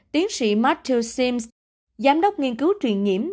tiến sĩ mathio sims giám đốc nghiên cứu truyền nhiễm